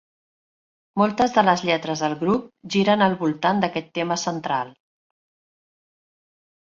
Moltes de les lletres del grup giren al voltant d'aquest tema central.